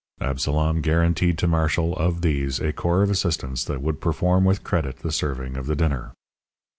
Absalom guaranteed to marshal, of these, a corps of assistants that would perform with credit the serving of the dinner.